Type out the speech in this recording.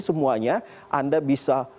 semuanya anda bisa